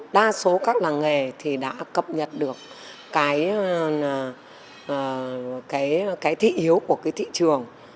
đa số các làng nghề thì đã cập nhật được cái thị yếu của cái thị trường